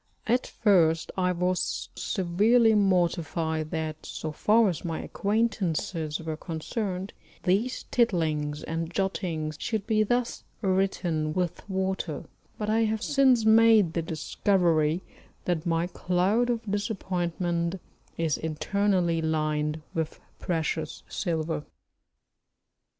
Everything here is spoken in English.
At first I was severely mortified that so far as my acquaintances were concerned these tittlings and jottings should be thus written with water, but I have since made the discovery that my cloud of disappointment is internally lined with precious silver.